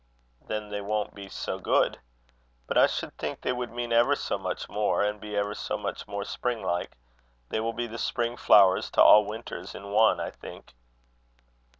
"Then they won't be so good. But I should think they would mean ever so much more, and be ever so much more spring like. They will be the spring flowers to all winters in one, I think."